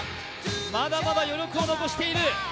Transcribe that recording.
まだまだ余力を残している。